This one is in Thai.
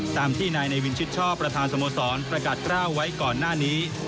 ตามที่นายในวินชิดชอบประธานสโมสรประกาศกล้าวไว้ก่อนหน้านี้